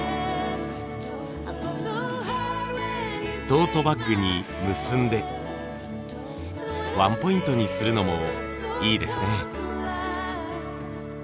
トートバッグに結んでワンポイントにするのもいいですね。